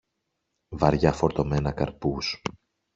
βαριά φορτωμένα καρπούς